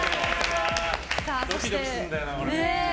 ドキドキするんだよな。